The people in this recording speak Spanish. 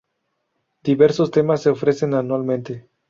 Diversos temas se ofrecen anualmente.